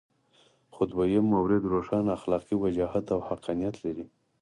خو دویم مورد روښانه اخلاقي وجاهت او حقانیت لري.